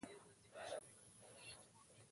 يو وخت د بګۍ د څرخونو غنجا ودرېده.